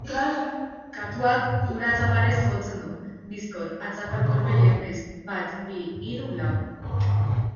Katuak hura atzaparrez jotzen du, bizkor, atzapar-kolpe leunez, bat-bi-hiru-lau.